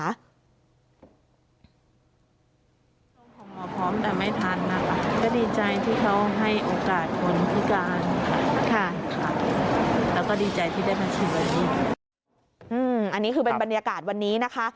อันนี้คือเป็นบรรยากาศวันนี้นะคะ